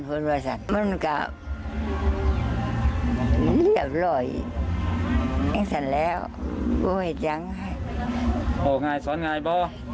พูดว่าอย่างไรบ้างครับ